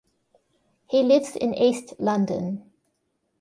He lives in east London.